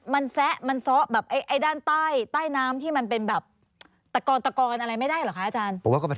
มันแซะมันซ้อแบบไอ้ด้านใต้น้ำที่มันเป็นแบบตะกอนตะกอนอะไรไม่ได้เหรอคะอาจารย์